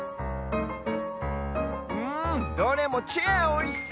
うんどれもチェアおいしそう！